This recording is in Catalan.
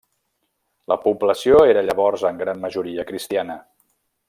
La població era llavors en gran majoria cristiana.